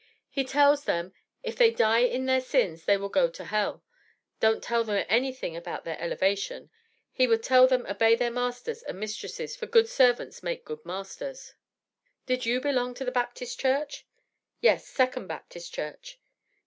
"He tells them if they die in their sins they will go to hell; don't tell them any thing about their elevation; he would tell them obey their masters and mistresses, for good servants make good masters." "Did you belong to the Baptist Church?" "Yes, Second Baptist Church."